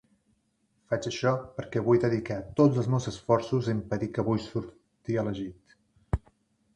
Faig això perquè vull dedicar tots els meus esforços a impedir que Bush surti elegit.